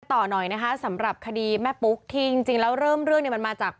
ต่อหน่อยนะคะสำหรับคดีแม่ปุ๊กที่จริงแล้วเริ่มเรื่องเนี่ยมันมาจาก